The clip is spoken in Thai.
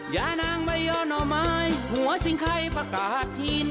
ยานางบะยอนอ่อมายหัวสิงไข่ผักกาดทีน